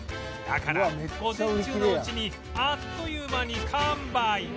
だから午前中のうちにあっという間に完売